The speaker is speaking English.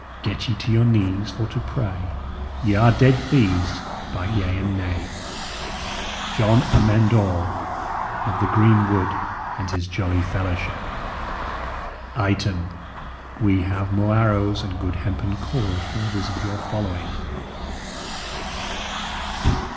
Get ye to your knees for to pray: Ye are ded theeves, by yea and nay! "JON AMEND ALL of the Green Wood, And his jolly fellaweship. "Item, we have mo arrowes and goode hempen cord for otheres of your following."